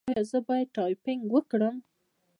ایا زه باید ټایپینګ وکړم؟